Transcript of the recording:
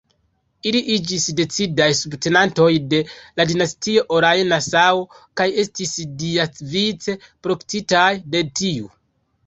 Ili iĝis decidaj subtenantoj de la dinastio Oranje-Nassau kaj estis siavice protektitaj de tiu.